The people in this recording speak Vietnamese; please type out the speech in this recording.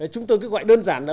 chúng tôi cứ gọi đơn giản là